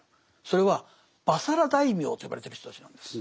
それは「婆娑羅大名」と呼ばれてる人たちなんです。